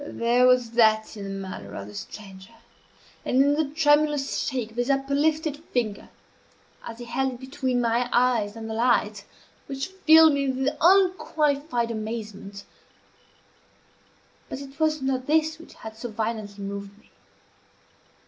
There was that in the manner of the stranger, and in the tremulous shake of his uplifted finger, as he held it between my eyes and the light, which filled me with unqualified amazement; but it was not this which had so violently moved me.